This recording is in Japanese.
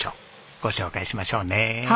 ご紹介しましょうね。